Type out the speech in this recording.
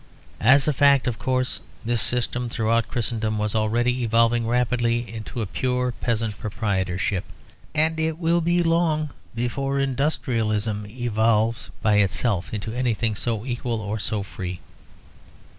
As a fact, of course, this system throughout Christendom was already evolving rapidly into a pure peasant proprietorship; and it will be long before industrialism evolves by itself into anything so equal or so free.